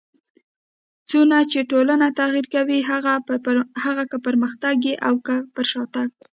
څونه چي ټولنه تغير کوي؛ هغه که پرمختګ يي او که پر شاتګ.